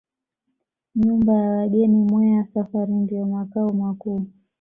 Nyumba ya wageni Mweya Safari ndiyo makao makuu